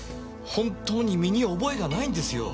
本当に身に覚えがないんですよ。